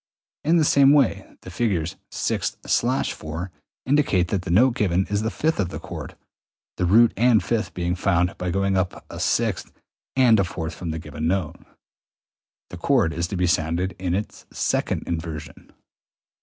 In the same way the figures 6/4 indicate that the note given is the fifth of the chord, the root and fifth being found by going up a sixth and a fourth from the note given; i.e., the chord is to be sounded in its second inversion.